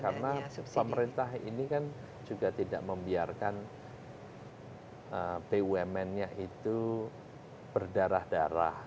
karena pemerintah ini kan juga tidak membiarkan bumn nya itu berdarah darah